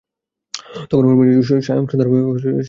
তখন হরিমোহিনীর সায়ংসন্ধ্যার সময়।